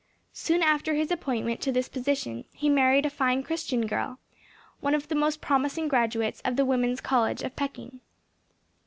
Soon after his appointment to this position he married a fine Christian girl, one of the most promising graduates of the Women's College of Peking.